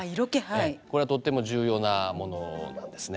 これはとっても重要なものなんですね。